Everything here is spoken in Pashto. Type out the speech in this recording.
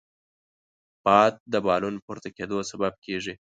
باد د بالون پورته کېدو سبب کېږي